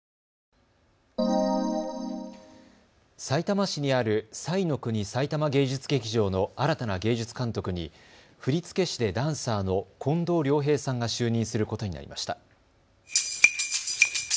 さいたま市にある彩の国さいたま芸術劇場の新たな芸術監督に振り付け師でダンサーの近藤良平さんが就任することになりました。